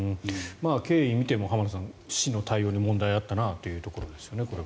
経緯を見ても浜田さん、市の対応に問題があったなというところですね。